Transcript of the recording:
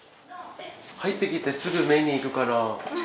入ってきてすぐ目に行くから。